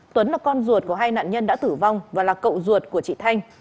tuấn là con ruột của hai nạn nhân đã tử vong và là cậu ruột của chị thanh